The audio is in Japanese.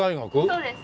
そうです。